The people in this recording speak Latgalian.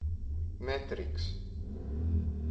Metryks.